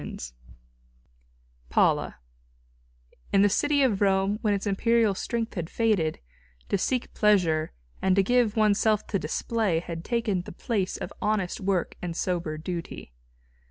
IV PAULA In the city of Rome when its imperial strength had faded, to seek pleasure and to give one's self to display had taken the place of honest work and sober duty.